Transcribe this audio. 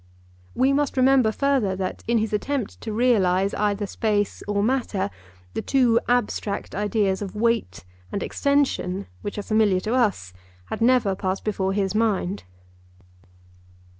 We must remember further that in his attempt to realize either space or matter the two abstract ideas of weight and extension, which are familiar to us, had never passed before his mind.